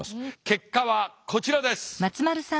結果はこちらです。